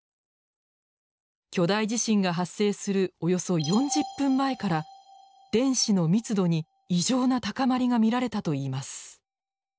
巨大地震が発生するおよそ４０分前から電子の密度に異常な高まりが見られたといいます。